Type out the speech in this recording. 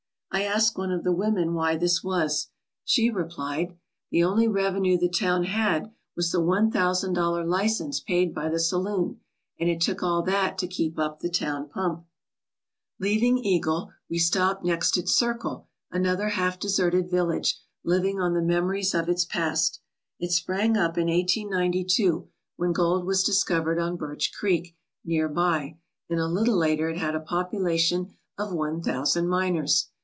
I asked one of the women why this was. She replied : "The only revenue the town had was the one thousand dollar license 1 20 IN THE YUKON FLATS paid by the saloon, and it took all that to keep up the town pump/' Leaving Eagle, we stopped next at Circle, another half deserted village living on the memories of its past. It sprang up in 1892, when gold was discovered on Birch Creek near by, and a little later it had a population of one thousand miners.